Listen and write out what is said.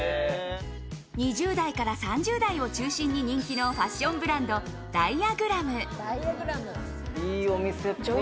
２０代から３０代を中心に人気のファッションブランド・ダイアグラム。